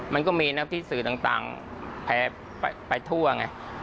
มันก็มีนะที่สื่อต่างไปทั่วไง